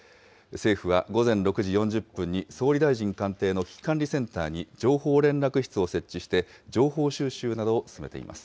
政府は午前６時４０分に、総理大臣官邸の危機管理センターに、情報連絡室を設置して、情報収集などを進めています。